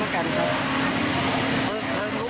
มันไหม้ได้ยังไงครับ